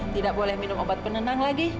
tidak boleh minum obat penenang lagi